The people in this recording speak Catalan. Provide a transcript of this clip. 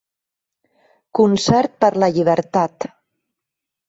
Concert per la llibertat.